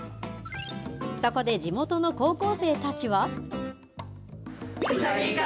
そこで地元の高校生たちは。